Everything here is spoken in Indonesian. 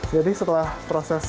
jadi setelah proses